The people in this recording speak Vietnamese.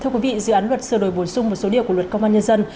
thưa quý vị dự án luật sửa đổi bổ sung một số điều của luật công an nhân dân